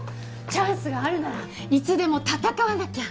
チャンスがあるならいつでも戦わなきゃ！